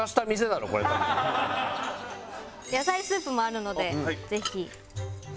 野菜スープもあるのでぜひ。